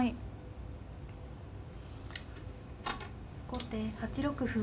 後手８六歩。